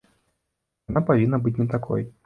Яна павінна быць не такой.